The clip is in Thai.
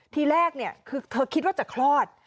ที่แรกคือเธอคิดว่าจะคลอด